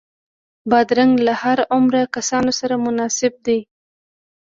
بادرنګ له هر عمره کسانو سره مناسب دی.